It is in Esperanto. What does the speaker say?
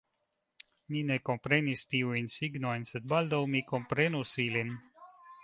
Mi ne komprenis tiujn signojn, sed baldaŭ mi komprenus ilin.